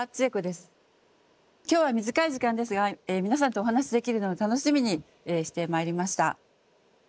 今日は短い時間ですが皆さんとお話しできるのを楽しみにしてまいりました。